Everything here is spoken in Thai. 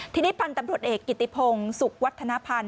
ทีนี้พันธ์ตำรวจเอกกิติพงศุกร์วัฒนภัณฑ